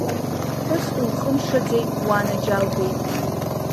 Ԥҳәыс улхымшаӡеи, уанаџьалбеит!